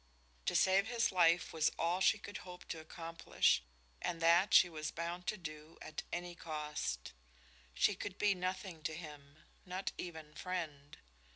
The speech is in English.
To save his life was all she could hope to accomplish, and that she was bound to do at any cost. She could be nothing to him not even friend.